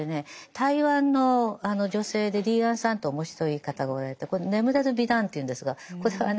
台湾の女性で李昴さんって面白い方がおられて「眠れる美男」っていうんですがこれはね